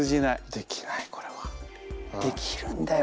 できないこれは。できるんだよ